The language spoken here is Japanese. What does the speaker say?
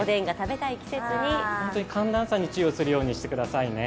本当に寒暖差に注意をするようにしてくださいね。